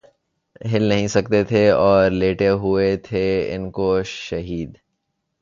ہل نہیں سکتے تھے اور لیٹے ہوئے تھے انکو شہید